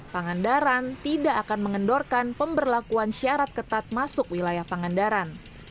pangandaran tidak akan mengendorkan pemberlakuan syarat ketat masuk wilayah pangandaran